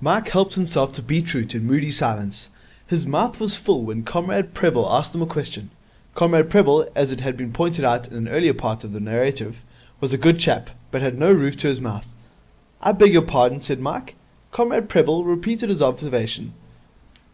Mike helped himself to beetroot in moody silence. His mouth was full when Comrade Prebble asked him a question. Comrade Prebble, as has been pointed out in an earlier part of the narrative, was a good chap, but had no roof to his mouth. 'I beg your pardon?' said Mike. Comrade Prebble repeated his observation.